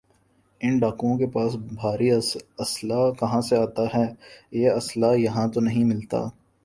ان ڈاکوؤں کے پاس بھاری اسلحہ کہاں سے آتا ہے یہ اسلحہ یہاں تو نہیں بنتا